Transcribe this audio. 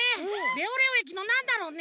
レオレオえきのなんだろうね？